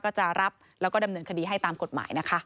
ก็จะรับแล้วก็ดำเนินคดีให้ตามกฎหมายนะคะ